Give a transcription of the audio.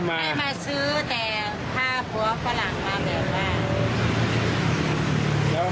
ไม่มาซื้อแต่ผ้าหัวฝรั่งมาแบบนั้น